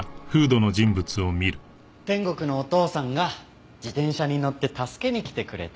天国のお父さんが自転車に乗って助けに来てくれた。